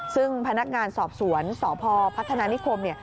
ซึ่งพนักงานสอบสวนสพพัฒนานิคมเนี่ย